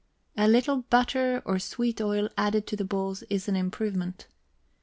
A little butter or sweet oil added to the balls is an improvement.